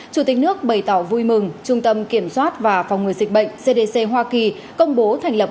chủ tịch nước bày tỏ vui mừng trung tâm kiểm soát và phòng ngừa dịch bệnh cdc hoa kỳ công bố thành lập